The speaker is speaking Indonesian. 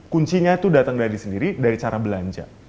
kuncinya itu datang dari sendiri dari cara belanja